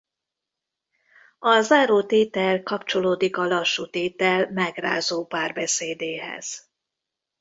A zárótétel kapcsolódik a lassú tétel megrázó párbeszédéhez.